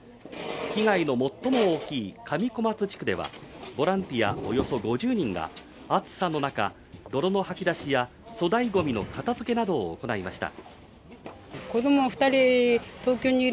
被害の最も大きい上小松地区では、ボランティアおよそ５０人が暑さの中、泥のはき出しや粗大ごみの片づけなどを行いました。